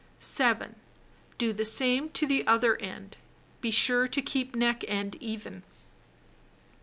7. Do the same to the other end. Be sure to keep neck end even.